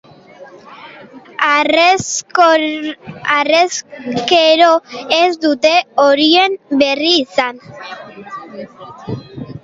Harrezkero, ez dute horien berri izan.